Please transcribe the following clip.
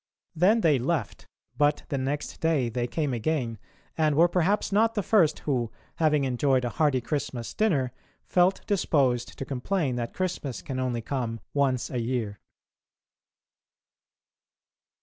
Then they left, but the next day they came again, and were perhaps not the first who, having enjoyed a hearty Christmas dinner, felt disposed to complain that Christmas can only come once a year.